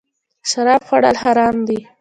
شراب خوړل حرام دی